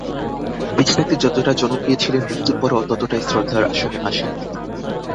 বেঁচে থাকতে যতটা জনপ্রিয় ছিলেন, মৃত্যুর পরও ততটাই শ্রদ্ধার আসনে আসীন তিনি।